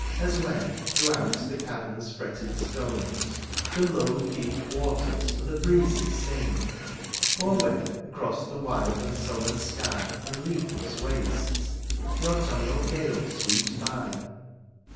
As when, throughout the cavern's fretted stones. The low, deep waters, and the breezes sing ; Or when, across the wild and sullen sky And leafless wastes, the autumnal gale sweeps by.